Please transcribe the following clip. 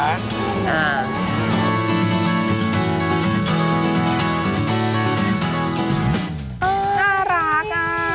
อ้ารักอ่ะ